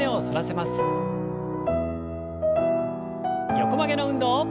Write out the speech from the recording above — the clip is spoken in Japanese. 横曲げの運動。